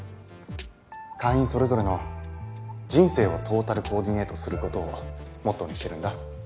会員それぞれの人生をトータルコーディネートする事をモットーにしてるんだ。